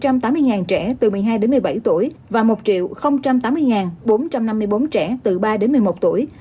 trong đó vaccine dành cho người dân trên địa bàn sáu tháng một mũi và cho trẻ em từ ba đến một mươi một tuổi